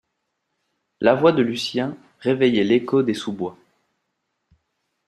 La voix de Lucien réveillait l’écho des sous-bois.